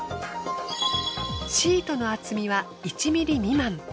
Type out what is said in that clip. シートの厚みは１ｍｍ未満。